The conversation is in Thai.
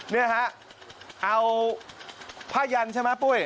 เนี่ยฮะเอาพระยันทร์ใช่ไหมปุ้ย